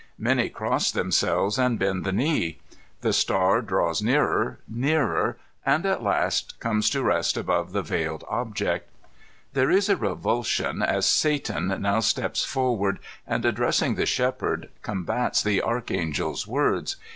Many cross themselves and bend the knee. The star draws nearer, nearer, and at last comes to rest above the veiled object There is a revulsion as Satan now steps forward and, ad* dressmg the shepherd, combats the Archangel's words.